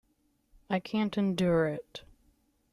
I can't endure it!